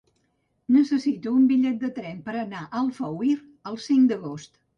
Necessito un bitllet de tren per anar a Alfauir el cinc d'agost.